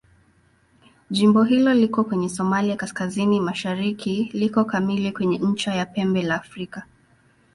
Jimbo hili liko kwenye Somalia kaskazini-mashariki liko kamili kwenye ncha ya Pembe la Afrika.